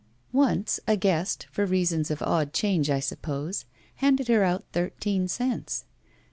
Once a guest, for reasons of odd change, I suppose, handed her out thirteen cents.